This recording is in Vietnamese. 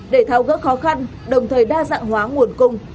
để tháo gỡ khó khăn đồng thời đa dạng hóa nguồn cung